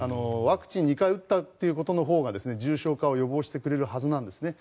ワクチン２回打ったということのほうが重症化を予防してくれるはずなんです。